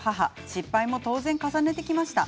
失敗も当然、重ねてきました。